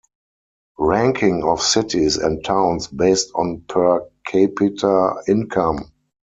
Ranking of Cities and Towns based on per capita income.